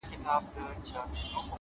ه ياره په ژړا نه کيږي،